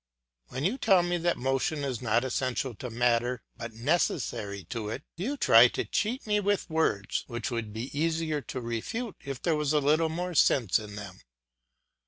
When you tell me that motion is not essential to matter but necessary to it, you try to cheat me with words which would be easier to refute if there was a little more sense in them.